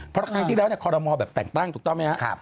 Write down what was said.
เพราะใครที่เดี๋ยวคอรมอแบบต่างถูกต้องไหมครับ